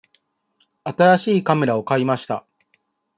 新しいカメラを買いました。